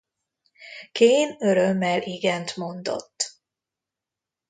Keane örömmel igent mondott.